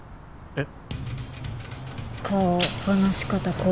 えっ。